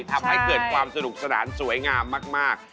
ทำให้เกิดความสนุกสนานสวยงามมาก